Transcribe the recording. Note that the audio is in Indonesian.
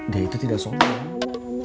dia itu tidak sombong